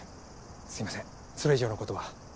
すいませんそれ以上のことは。